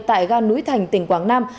tại ga núi thành tỉnh quảng nam